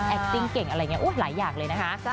ซิ่งเก่งอะไรอย่างนี้หลายอย่างเลยนะคะ